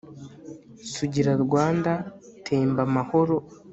sugira rwanda temba amahoro